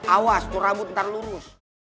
awas itu rambut ntar lurus